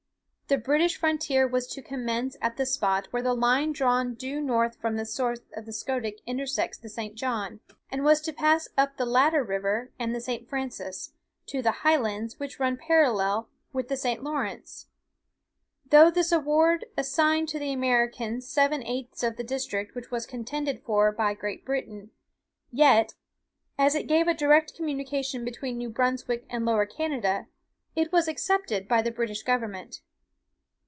The British frontier was to commence at the spot where the line drawn due north from the source of the Scoodic intersects the St. John, and was to pass up the latter river and the St. Francis, to the highlands which run parallel with the St. Lawrence. Though this award assigned to the Americans seven eighths of the district which was contended for by Great Britain, yet, as it gave a direct communication between New Brunswick and Lower Canada, it was accepted by the British government.